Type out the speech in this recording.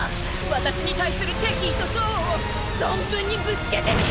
私に対する敵意と憎悪を存分にぶつけてみよ！